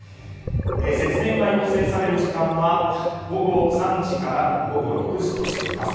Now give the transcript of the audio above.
節電が要請される時間は午後３時から午後６時としています。